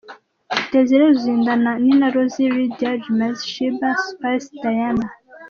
Desire Luzinda Nina Roz Lydia Jazmine Sheebah Spice Diana.